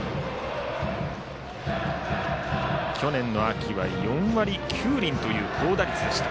去年の秋は４割９厘という高打率でした。